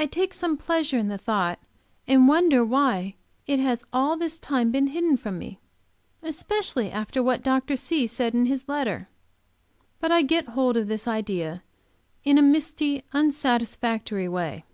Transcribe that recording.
I take some pleasure in the thought, and wonder why it has all this time been hidden from me, especially after what Dr. C. said in his letter. But I get hold of this idea in a misty, unsatisfactory way.